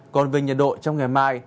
còn về nhật độ trong ngày mai